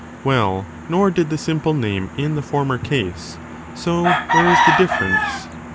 Well, nor did the simple name in the former case : so where is the difference